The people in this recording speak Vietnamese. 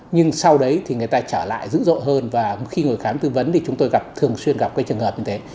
nhưng sau đấy thì người ta trở lại dữ dội hơn và khi ngồi khám tư vấn thì chúng tôi gặp thường xuyên gặp cái trường hợp như thế